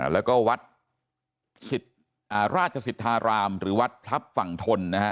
แล้วก็วัดราชสิทธารามหรือวัดพลับฝั่งทนนะฮะ